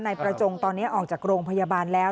นายประจงตอนนี้ออกจากโรงพยาบาลแล้ว